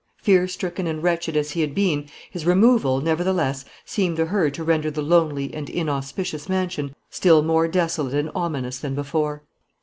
Fear stricken and wretched as he had been, his removal, nevertheless, seemed to her to render the lonely and inauspicious mansion still more desolate and ominous than before.